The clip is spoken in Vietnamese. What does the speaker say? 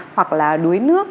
hoặc là đuối nước